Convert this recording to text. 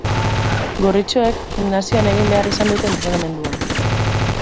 Gorritxoek gimnasioan egin behar izan dute entrenamendua.